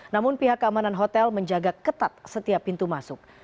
namun pihak keamanan hotel menjaga ketat setiap pintu masuk